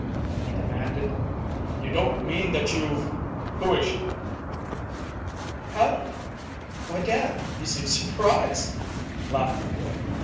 he demanded. "You don't mean that you've Who is she?" "Helen. Why, dad, you seem surprised," laughed the boy.